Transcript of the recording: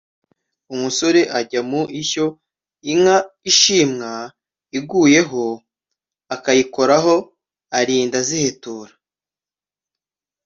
Umusore ajya mu ishyo, inka ishwima iguyeho akayikoraho, arinda azihetura